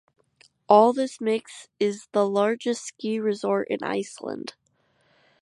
All this makes it the largest ski resort in Iceland.